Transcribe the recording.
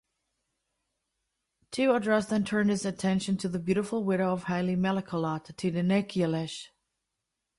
Tewodros then turned his attention to the beautiful widow of Haile Melekot, Tidenekialesh.